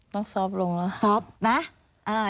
ต้องซอฟล์ลงนะซอฟล์ลนะ